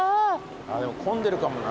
でも混んでるかもな。